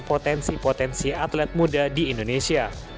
potensi potensi atlet muda di indonesia